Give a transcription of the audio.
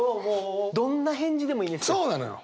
どんな返事でもいいんですよ。